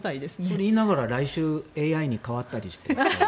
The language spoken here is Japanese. それを言いながら来週、ＡＩに代わったりして。